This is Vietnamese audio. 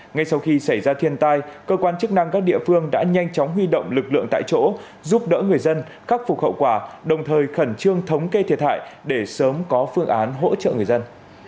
ngay sau khi xảy ra thiên tai cơ quan chức năng các địa phương đã nhanh chóng huy động lực lượng tại chỗ giúp đỡ người dân khắc phục hậu quả đồng thời khẩn trương thống kê thiệt hại để sớm có phương án hỗ trợ người dân